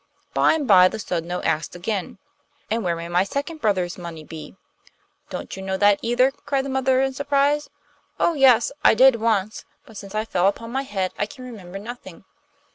By and by the Sodno asked again: 'And where may my second brother's money be?' 'Don't you know that either?' cried the mother in surprise. 'Oh, yes; I did once. But since I fell upon my head I can remember nothing.